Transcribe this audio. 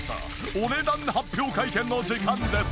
お値段発表会見の時間です。